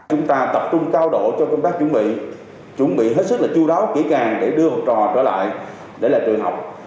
chúng ta tập trung cao độ cho công tác chuẩn bị chuẩn bị hết sức là chú đáo kỹ càng để đưa học trò trở lại để là trường học